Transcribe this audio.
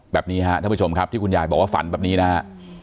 แบบนี้ครับท่านผู้ชมครับที่คุณยายบอกว่าฝันแบบนี้นะฮะ